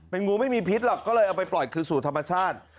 งูไม่มีพิษหรอกก็เลยเอาไปปล่อยคืนสู่ธรรมชาติ